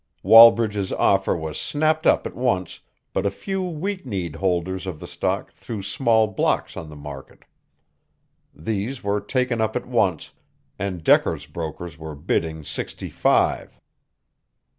Wallbridge's offer was snapped up at once, but a few weak kneed holders of the stock threw small blocks on the market. These were taken up at once, and Decker's brokers were bidding sixty five.